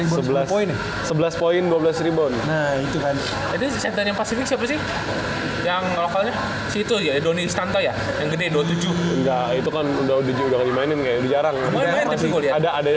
riba yang lokalnya itu ya yang gede dua puluh tujuh itu kan udah udah udah udah ada ada ada